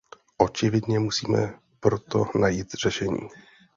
Očividně musíme pro to najít řešení.